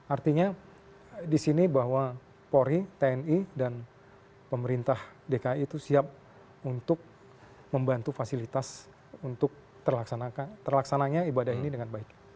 artinya di sini bahwa polri tni dan pemerintah dki itu siap untuk membantu fasilitas untuk terlaksananya ibadah ini dengan baik